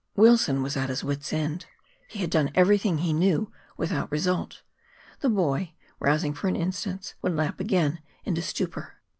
Wilson was at his wits' end. He had done everything he knew without result. The boy, rousing for an instant, would lapse again into stupor.